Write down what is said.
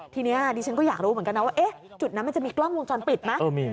ทีนี้ดิฉันก็อยากรู้เหมือนกันนะว่าจุดนั้นมันจะมีกล้องวงจรปิดไหม